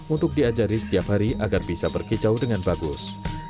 untuk diajari setiap hari agar bisa berkicau dengan bagus